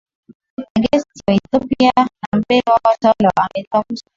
Negesti wa Ethiopia na mbele ya watawala wa Amerika Kusini